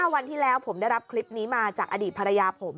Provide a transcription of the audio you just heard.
วันที่แล้วผมได้รับคลิปนี้มาจากอดีตภรรยาผม